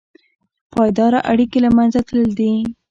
پایداره اړیکې له منځه تللي دي.